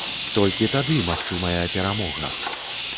Толькі тады магчымая перамога.